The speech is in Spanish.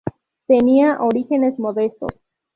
Tenía orígenes modestos.